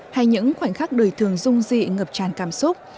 hay những khoảnh khắc đời thường rung dị ngập tràn cảm xúc